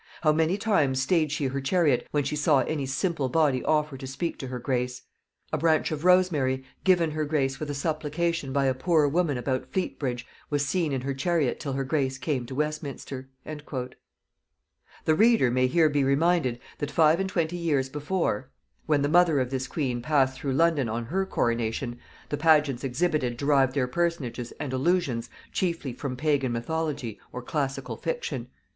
How many times staid she her chariot when she saw any simple body offer to speak to her grace! A branch of rosemary given her grace with a supplication by a poor woman about Fleet bridge was seen in her chariot till her grace came to Westminster." [Note 39: Holinshed's Chronicles.] The reader may here be reminded, that five and twenty years before, when the mother of this queen passed through London to her coronation, the pageants exhibited derived their personages and allusions chiefly from pagan mythology or classical fiction.